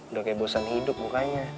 udah kayak bosan hidup mukanya